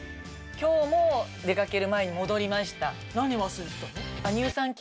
今日も出かける前に戻りました。